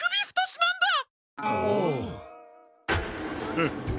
フッ。